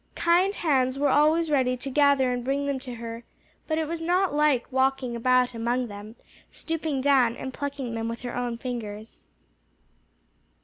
Kind hands were always ready to gather and bring them to her, but it was not like walking about among them, stooping down and plucking them with her own fingers.